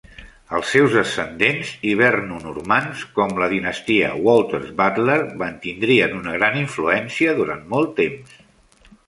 Els seus descendents hiberno-normands, com la dinastia Walter's Butler, mantindrien una gran influència durant molt temps.